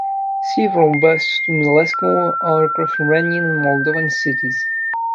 Several busts to Milescu are across Romanian and Moldovan cities.